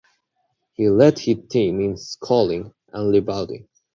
He led he team in scoring and rebounding.